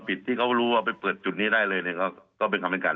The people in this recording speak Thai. ที่เขารู้ว่าไปเปิดจุดนี้ได้เลยเนี่ยก็เป็นคำให้การ